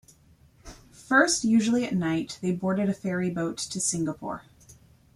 First, usually at night, they boarded a ferry boat to Singapore.